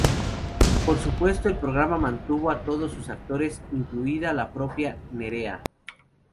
Por supuesto el programa mantuvo a todos sus actores, incluida la propia Nerea.